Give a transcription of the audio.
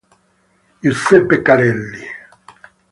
Giuseppe Carelli